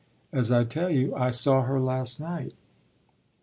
As I tell you, I saw her last night."